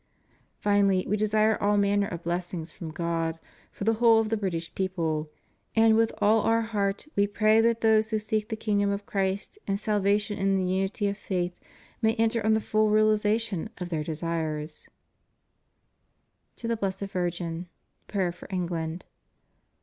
^ Finally, We desire all manner of blessings from God for the whole of the British people, and with all Our heart We pray that those who seek the kingdom of Christ and salvation in the unity of faith may enter on the full reali zation of their desires. To THE Blessed Virgin. Prayer for England.